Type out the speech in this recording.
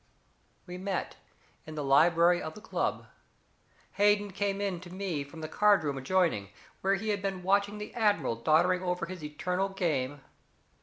"We met in the library of the club. Hayden came in to me from the card room adjoining, where he had been watching the admiral doddering over his eternal game.